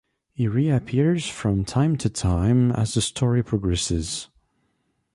He reappears from time to time as the story progresses.